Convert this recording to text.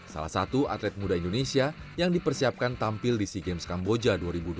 salah satu atlet muda indonesia yang dipersiapkan tampil di sea games kamboja dua ribu dua puluh